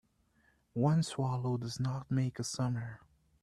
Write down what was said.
One swallow does not make a summer